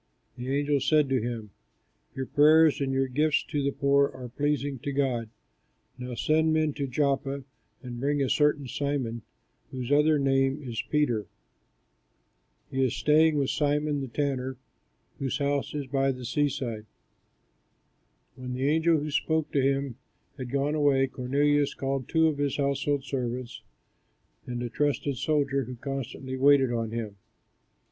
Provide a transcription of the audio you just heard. The angel said to him, "Your prayers and your gifts to the poor are pleasing to God. Now send men to Joppa, and bring a certain Simon, whose other name is Peter. He is staying with Simon, a tanner, whose house is by the seaside." When the angel who spoke to him had gone away, Cornelius called two of his household servants, and a trusted soldier who constantly waited on him.